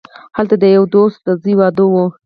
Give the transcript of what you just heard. هلته د یوه دوست د زوی واده وو.